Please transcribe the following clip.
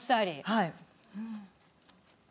はい。